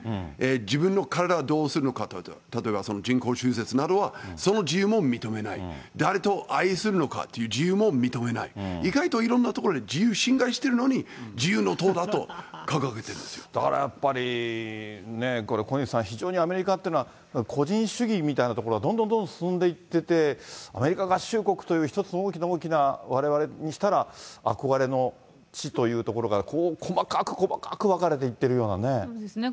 自分の体をどうするのか、例えば、人工中絶などはその自由も認めない、誰を愛するのかという自由も認めない、意外といろんなところで自由侵害してるのに、自由の党だと掲げてだからやっぱり、これ、小西さん、非常にアメリカっていうのは、個人主義みたいなところがどんどんどんどん進んでいってて、アメリカ合衆国という、一つの大きな大きな、われわれにしたら憧れの地というところから、こう細かく細かく分かれていってるようなね。